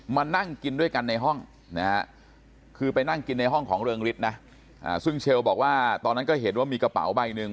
มานั่งกินด้วยกันในห้องนะฮะคือไปนั่งกินในห้องของเริงฤทธิ์นะซึ่งเชลบอกว่าตอนนั้นก็เห็นว่ามีกระเป๋าใบหนึ่ง